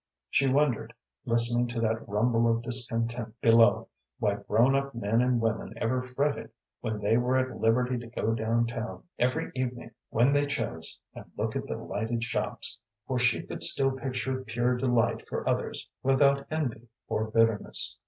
She wondered, listening to that rumble of discontent below, why grown up men and women ever fretted when they were at liberty to go down town every evening when they chose and look at the lighted shops, for she could still picture pure delight for others without envy or bitterness.